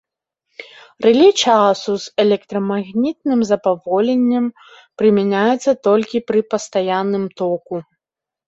Рэле часу з электрамагнітным запаволеннем прымяняюцца толькі пры пастаянным току.